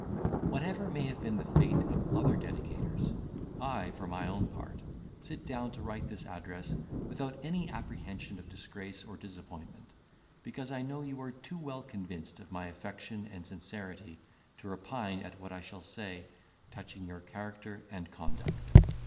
Whatever may have been the fate of other dedicators, I, for my own part, sit down to write this address, without any apprehension of disgrace or disappointment; because I know you are too well convinced of my affection and sincerity to repine at what I shall say touching your character and conduct.